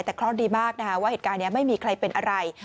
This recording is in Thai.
แต่เคราะห์ดีมากนะคะว่าเหตุการณ์นี้ไม่มีใครเป็นอะไร